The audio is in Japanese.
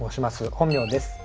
本名です。